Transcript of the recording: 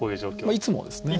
まあいつもですね。